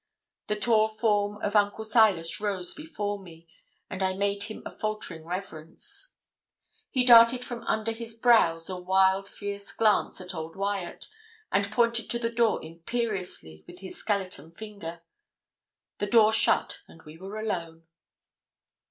The tall form of Uncle Silas rose before me, and I made him a faltering reverence. He darted from under his brows a wild, fierce glance at old Wyat, and pointed to the door imperiously with his skeleton finger. The door shut, and we were alone.